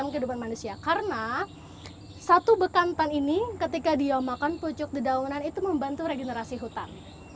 karena satu bekantan ini ketika dia makan pucuk dedaunan itu membantu regenerasi hutan